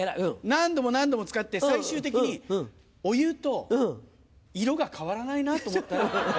何度も何度も使って最終的にお湯と色が変わらないなと思ったら捨て時。